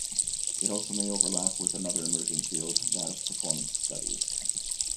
It also may overlap with another emerging field, that of Performance Studies.